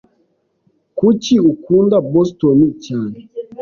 Kuki ukunda Boston cyane?